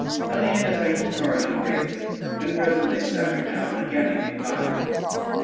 Aliena thanked Corydon greatly, and presently sate her down and Ganymede by her.